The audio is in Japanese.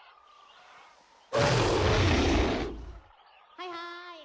・はいはい！